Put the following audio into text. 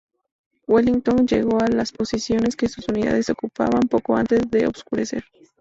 Wellington llegó a las posiciones que sus unidades ocupaban poco antes de oscurecer.